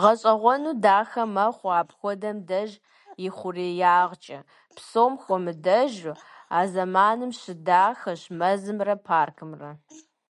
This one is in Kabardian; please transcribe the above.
Гъащӏэгъуэну дахэ мэхъу апхуэдэм деж ихъуреягъкӏэ, псом хуэмыдэжу, а зэманым щыдахэщ мэзымрэ паркымрэ.